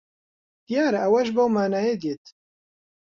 دیارە ئەوەش بەو مانایە دێت